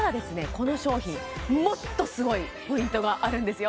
この商品もっとすごいポイントがあるんですよ